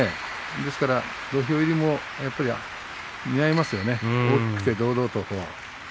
ですから土俵入りもやっぱり似合いますよね大きくて堂々と。